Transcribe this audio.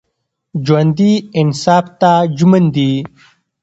ژوندي انصاف ته ژمن دي